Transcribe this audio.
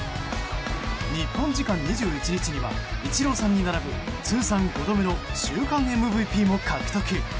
日本時間２１日にはイチローさんに並ぶ通算５度目の週間ＭＶＰも獲得。